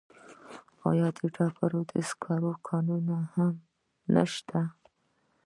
آیا د ډبرو سکرو کانونه هم نشته؟